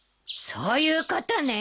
そういうことね。